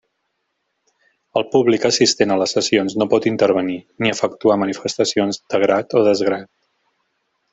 El públic assistent a les sessions no pot intervenir, ni efectuar manifestacions de grat o desgrat.